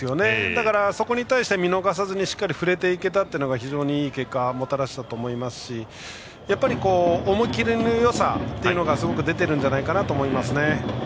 だからそこに対して見逃さずにしっかり振れていけたのが非常にいい結果をもたらしたと思いますし思い切りのよさがすごく出ていると思います。